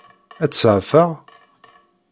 Ad tt-seɛfeɣ?